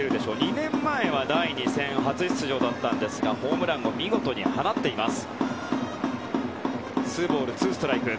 ２年前は第２戦初出場だったんですがホームランを見事に放っています。